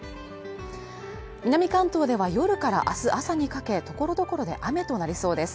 南関東では夜から明日朝にかけ所々で雨となりそうです。